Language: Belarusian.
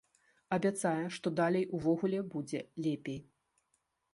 Абяцае, што далей увогуле будзе лепей.